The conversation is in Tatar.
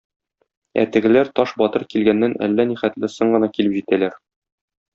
Ә тегеләр Таш батыр килгәннән әллә нихәтле соң гына килеп җитәләр.